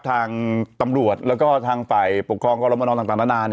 ทางตำรวจแล้วก็ทางฝ่ายปกครองกรมนต่างนานา